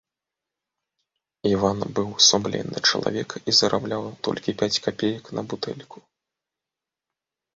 Іван быў сумленны чалавек і зарабляў толькі пяць капеек на бутэльку.